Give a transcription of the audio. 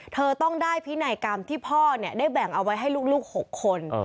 เธอต้องได้พินัยกรรมที่พ่อได้แบ่งเอาไว้ให้ลูก๖คน